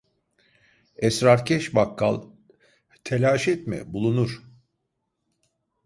Esrarkeş bakkal: "Telaş etme bulunur!".